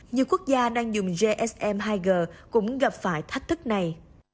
nhiều quốc gia đang dùng gsm hai g cũng gặp phải thách thức này